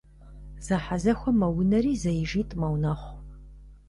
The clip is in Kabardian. Зэхьэзэхуэ мэунэри зэижитӏ мэунэхъу.